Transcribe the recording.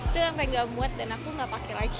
itu sampai nggak muat dan aku nggak pakai lagi